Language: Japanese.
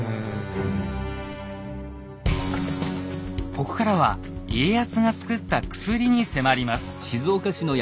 ここからは家康がつくった薬に迫ります。